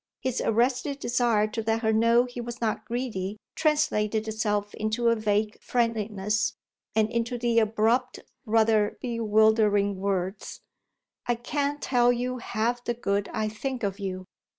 His arrested desire to let her know he was not greedy translated itself into a vague friendliness and into the abrupt, rather bewildering words: "I can't tell you half the good I think of you."